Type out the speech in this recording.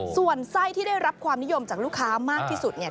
ส่วนไส้ที่ได้รับความนิยมจากลูกค้ามากที่สุดเนี่ย